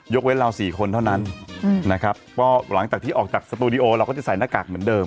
เว้นเรา๔คนเท่านั้นนะครับก็หลังจากที่ออกจากสตูดิโอเราก็จะใส่หน้ากากเหมือนเดิม